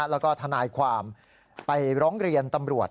แล้วก็ทนายความไปร้องเรียนตำรวจ